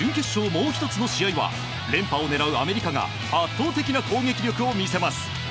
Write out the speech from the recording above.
もう１つの試合は連覇を狙うアメリカが圧倒的な攻撃力を見せます。